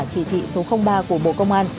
chỉ thị số ba của bộ công an